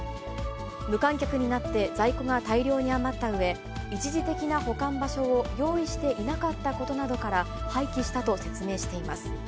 無観客になって在庫が大量に余ったうえ、一時的な保管場所を用意していなかったことなどから、廃棄したと説明しています。